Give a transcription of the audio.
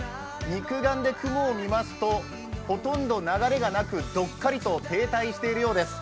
肉眼で雲を見ますと、ほとんど流れがなく、どっかりと停滞しているようです。